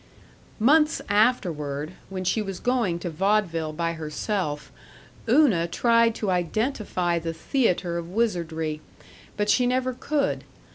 Months afterward, when she was going to vaudeville by herself, Una tried to identify the theater of wizardry, but she never could.